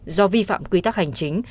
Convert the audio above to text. do vi phạm quy tắc hành chính